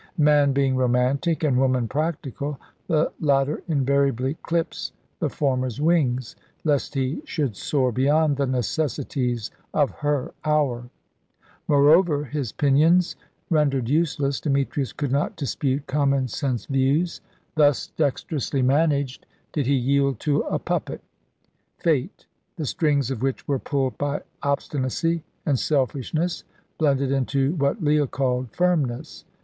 Man being romantic, and woman practical, the latter invariably clips the former's wings, lest he should soar beyond the necessities of her hour. Moreover, his pinions rendered useless, Demetrius could not dispute common sense views. Thus, dexterously managed, did he yield to a puppet, Fate, the strings of which were pulled by obstinacy and selfishness, blended into what Leah called firmness.